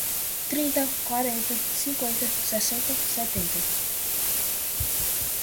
Trinta, quarenta, cinquenta, sessenta, setenta